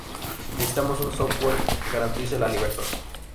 Necesitamos un software que garantice la libertad